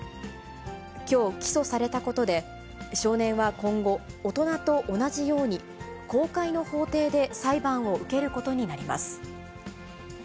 きょう、起訴されたことで、少年は今後、大人と同じように公開の法廷で裁判を受けることになります。